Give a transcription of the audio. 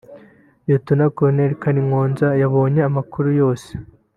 Lt Col Matayo Kyaligonza yabonye amakuru yose